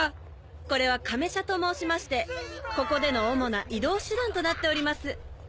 これはカメ車と申しましてここでの主な移動手段となっております。